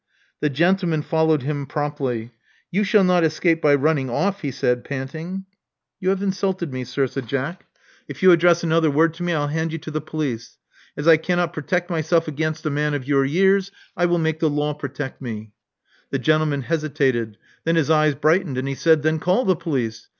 The gentleman followed him promptly. You shall not escape by running off," he said, panting. You have insulted me, sir," said Jack. If you yo Love Among the Artists address another word to me, I'll hand yon to the police. As I cannot protect myself against a man of your years, I will make the law protect me." The gentleman hesitated. Then his eyes bright ened; and he said, Then call the police.